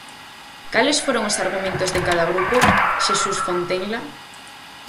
Cales foron os argumentos de cada grupo, Xesús Fontenla?